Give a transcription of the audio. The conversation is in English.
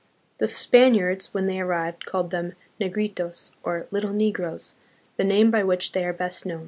The Spaniards, when they arrived, called them "Negritos," or "little negroes," the name by which they are best known.